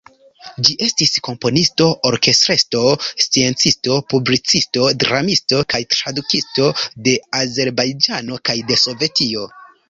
Ĝi estis komponisto, orkestrestro, sciencisto, publicisto, dramisto kaj tradukisto de Azerbajĝano kaj de Sovetio.